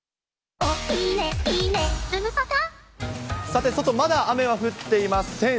さて、外、まだ雨は降っていません。